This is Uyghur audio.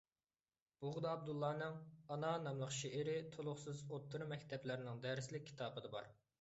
بۇغدا ئابدۇللانىڭ «ئانا» ناملىق شېئىرى تولۇقسىز ئوتتۇرا مەكتەپلەرنىڭ دەرسلىك كىتابىدا بار.